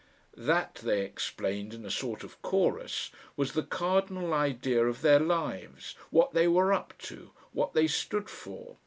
That, they explained in a sort of chorus, was the cardinal idea of their lives, what they were up to, what they stood for.